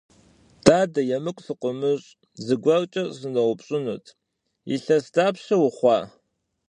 Дадэ, емыкӀу сыкъыумыщӀ, зыгуэркӀэ сыноупщӀынут: илъэс дапщэ ухъуа?